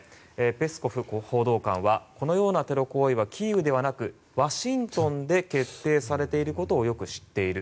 ペスコフ報道官はこのようなテロ行為はキーウではなくワシントンで決定されていることをよく知っている。